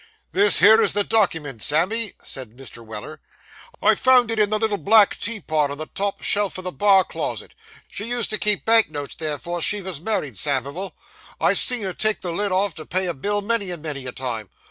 'This here is the dockyment, Sammy,' said Mr. Weller. 'I found it in the little black tea pot, on the top shelf o' the bar closet. She used to keep bank notes there, 'fore she vos married, Samivel. I've seen her take the lid off, to pay a bill, many and many a time.